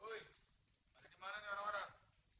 wih ada di mana nih orang orang